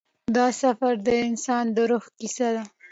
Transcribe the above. دا سفر د انسان د روح کیسه ده.